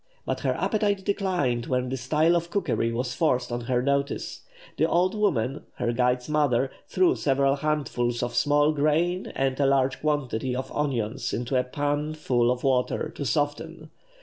But her appetite declined when the style of cookery was forced on her notice. The old woman, her guide's mother, threw several handfuls of small grain and a large quantity of onions into a pan full of water to soften.